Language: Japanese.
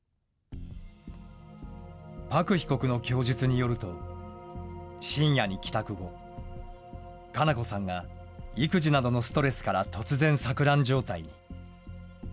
朴被告の供述によると、深夜に帰宅後、佳菜子さんが育児などのストレスから突然錯乱状態に。